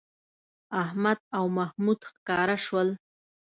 احمد او محمود ښکاره شول